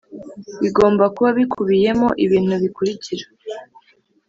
bigomba kuba bikubiyemo ibintu bikurikira